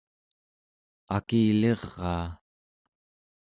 akiliraa